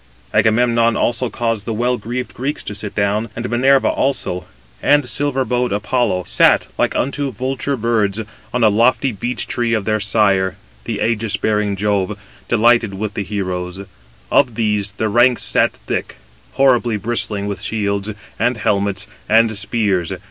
Agamemnon also caused the well greaved Greeks to sit down; and Minerva also, and silver bowed Apollo, sat like unto vulture birds, on a lofty beech tree of their sire, the ægis bearing Jove, delighted with the heroes; of these the ranks sat thick, horribly bristling with shields, and helmets, and spears.